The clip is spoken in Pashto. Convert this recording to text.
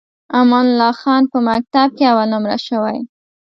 امان الله خان په مکتب کې اول نمره شوی.